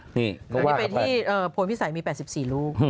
หลีบไปที่โผล่พิสัยมี๘๔ลูก